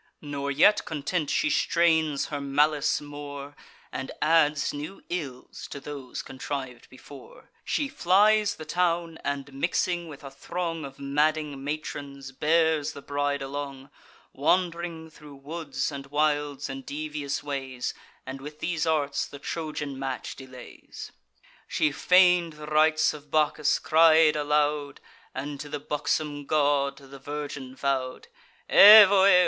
Nor yet content, she strains her malice more, And adds new ills to those contriv'd before: She flies the town, and, mixing with a throng Of madding matrons, bears the bride along, Wand'ring thro' woods and wilds, and devious ways, And with these arts the Trojan match delays. She feign'd the rites of Bacchus; cried aloud, And to the buxom god the virgin vow'd. "Evoe!